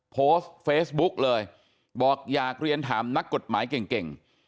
โพสต์เฟซบุ๊กเลยบอกอยากเรียนถามนักกฎหมายเก่ง